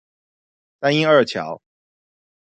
三鶯二橋